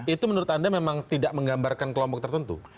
itu menurut anda memang tidak menggambarkan kelompok tertentu